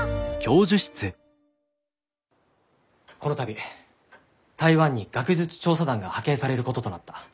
この度台湾に学術調査団が派遣されることとなった。